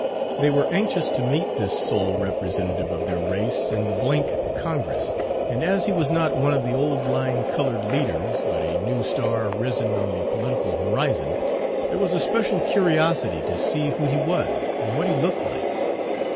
They were anxious to meet this sole representative of their race in the th Congress, and as he was not one of the old line colored leaders, but a new star risen on the political horizon, there was a special curiosity to see who he was and what he looked like.